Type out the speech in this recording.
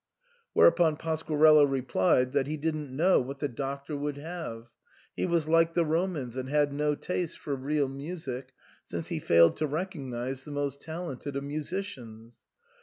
Whereupon Pasquarello replied, that he didn't know what the Doctor would have ; he was like the Romans, and had no taste for real music^ since he failed to recognise the most talented of musicians.